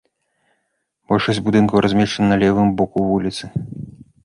Большасць будынкаў размешчана на левым боку вуліцы.